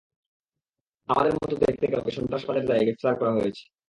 আমাদের মতো দেখতে কাউকে, সন্ত্রাসবাদের দায়ে গ্রেফতার করা হয়েছে।